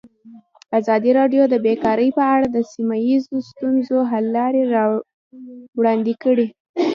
ازادي راډیو د بیکاري په اړه د سیمه ییزو ستونزو حل لارې راوړاندې کړې.